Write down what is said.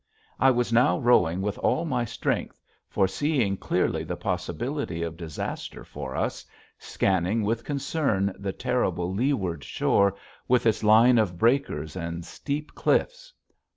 I was now rowing with all my strength, foreseeing clearly the possibility of disaster for us, scanning with concern the terrible leeward shore with its line of breakers and steep cliffs.